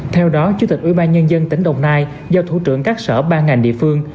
theo đó chủ tịch ủy ban nhân dân tỉnh đồng nai do thủ trưởng các sở ban ngành địa phương